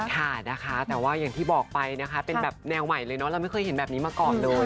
ค่ะนะคะแต่ว่าอย่างที่บอกไปนะคะเป็นแบบแนวใหม่เลยเนาะเราไม่เคยเห็นแบบนี้มาก่อนเลย